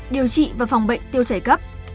điều trị và phòng bệnh tiêu chảy cấp